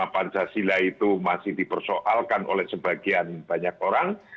pancasila itu masih dipersoalkan oleh sebagian banyak orang